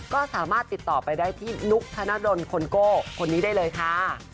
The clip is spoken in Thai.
ก็สามารถติดต่อไปได้ที่นุ๊กธนดลคนโก้คนนี้ได้เลยค่ะ